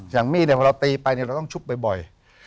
อย่างมีดเนี่ยพอเราตีไปเราต้องชุบบ่อย